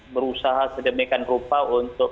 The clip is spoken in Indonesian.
berusaha sedemikian rupa untuk